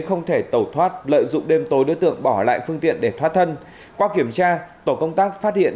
không thể tẩu thoát lợi dụng đêm tối đối tượng bỏ lại phương tiện để thoát thân qua kiểm tra tổ công tác phát hiện